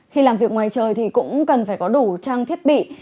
khi làm việc ngoài trời thì cũng cần phải có đủ trang thiết bị